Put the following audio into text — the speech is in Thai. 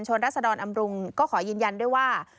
รัศดรอำรุงก็ขอยืนยันด้วยว่า